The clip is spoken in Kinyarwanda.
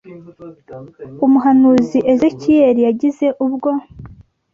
umuhanuzi Ezekiyeli yagize ubwo